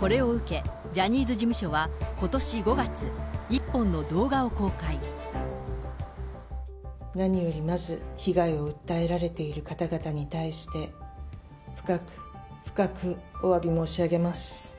これを受け、ジャニーズ事務所はことし５月、何よりまず、被害を訴えられている方々に対して、深く深くおわび申し上げます。